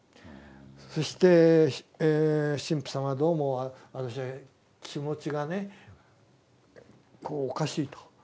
そして「神父様どうも私気持ちがねこうおかしい」と。